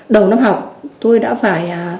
đầu năm học tôi đã phải